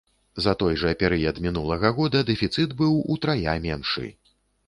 За той жа перыяд мінулага года дэфіцыт быў утрая меншы.